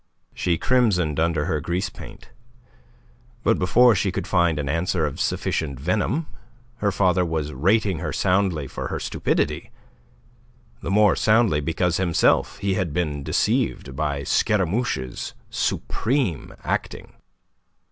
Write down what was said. She crimsoned under her grease paint. But before she could find an answer of sufficient venom, her father was rating her soundly for her stupidity the more soundly because himself he had been deceived by Scaramouche's supreme acting.